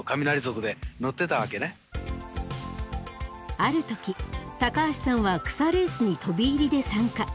ある時高橋さんは草レースに飛び入りで参加。